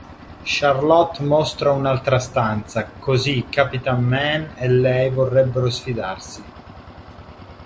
Charlotte mostra un'altra stanza, così Capitan Man e lei vorrebbero sfidarsi.